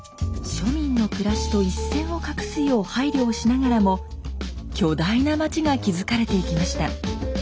庶民の暮らしと一線を画すよう配慮をしながらも巨大な町が築かれていきました。